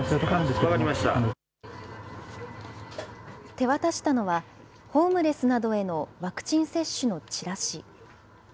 手渡したのは、ホームレスなどへのワクチン接種のチラシ。